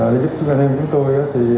để giúp anh em chúng tôi